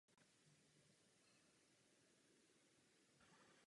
Byla postavena zčásti na souši a částečně nad mořem.